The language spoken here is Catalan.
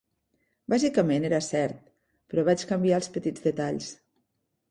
Bàsicament era cert, però vaig canviar els petits detalls.